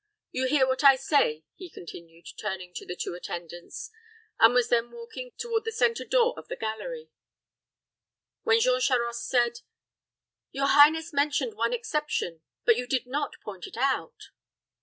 You hear what I say," he continued, turning to the two attendants; and was then walking toward the centre door of the gallery, when Jean Charost said, "Your highness mentioned one exception, but you did not point it out."